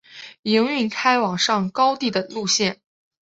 营运开往上高地的路线。